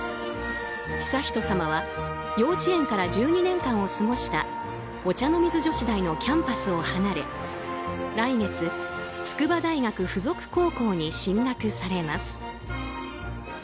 悠仁さまは幼稚園から１２年間を過ごしたお茶の水女子大のキャンパスを離れ来月筑波大学附属高校に進学されます。